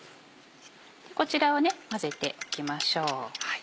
こちらを混ぜておきましょう。